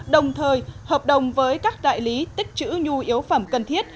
đồng thời hợp đồng với các đại lý tích chữ nhu yếu phẩm cần thiết